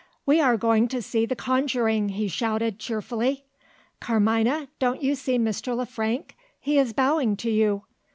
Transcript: "We are going to see the conjuring!" he shouted cheerfully. "Carmina! don't you see Mr. Le Frank? He is bowing to you.